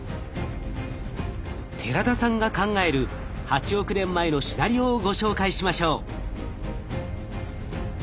寺田さんが考える８億年前のシナリオをご紹介しましょう。